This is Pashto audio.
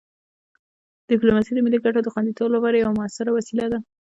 ډیپلوماسي د ملي ګټو د خوندیتوب لپاره یوه مؤثره وسیله ده.